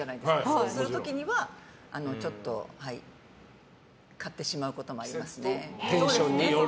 そういう時には、ちょっと買ってしまうこともありますね。